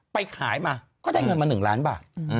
ไปขายมาก็ได้เงินมา๑ล้านบาท